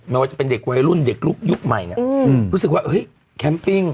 แม้ว่าจะเป็นเด็กวัยรุ่นเด็กยุคใหม่นะรู้สึกว่าครี๊มปิ้ง